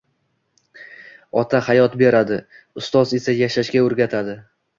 Ota hayot beradi. Ustoz esa yashashga o’rgatadi.